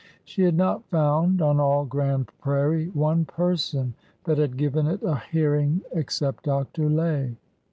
She had not found on all Grand Prairie one person that had given it a hearing ex cept Dr. Lay.